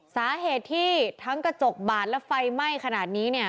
สาเหตุที่ทั้งกระจกบาดและไฟไหม้ขนาดนี้เนี่ย